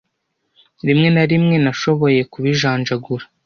rimwe na rimwe nashoboye kubijanjagura